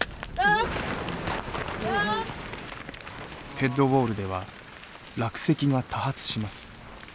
ヘッドウォールでは落石が多発します。